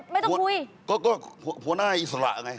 ไม่ต้องคุยก็น่าให้อิสระไง